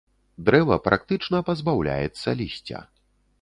Дрэва практычна пазбаўляецца лісця.